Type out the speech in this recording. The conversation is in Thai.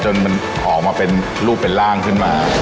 จนมันออกมาเป็นรูปเป็นร่างขึ้นมา